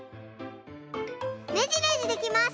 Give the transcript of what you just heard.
ねじねじできます！